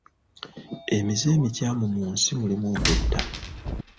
Emize emikyamu mu nsi mulimu okwetta.